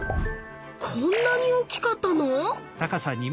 こんなに大きかったの⁉